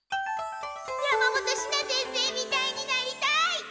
山本シナ先生みたいになりたい！